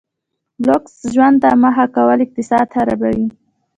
لوکس ژوند ته مخه کول اقتصاد خرابوي.